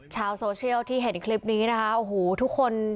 ชาวโซเชียลที่เห็นคลิปนี้นะคะโอ้โหทุกคน